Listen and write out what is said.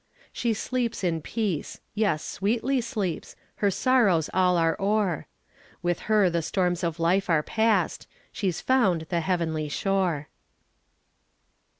She sleeps in peace; yes, sweetly sleeps, Her sorrows all are o'er; With her the storms of life are past: She's found the heavenly shore.